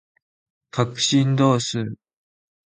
角振動数